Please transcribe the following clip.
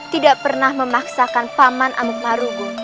tidak pernah memaksakan paman amukmarugung